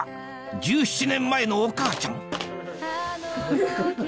１７年前のお母ちゃん！